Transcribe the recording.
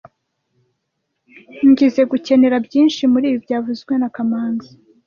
Ngizoe gukenera byinshi muribi byavuzwe na kamanzi